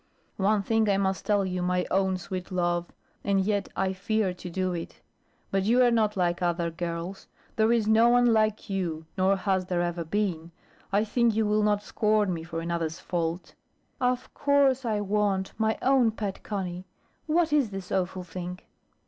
"One thing I must tell you, my own sweet love, and yet I fear to do it. But you are not like other girls. There is no one like you, nor has there ever been. I think you will not scorn me for another's fault." "Of course I won't, my own pet Conny. What is this awful thing?"